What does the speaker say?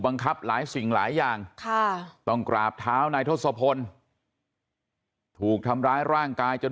หลายสิ่งหลายอย่างค่ะต้องกราบเท้านายทศพลถูกทำร้ายร่างกายจน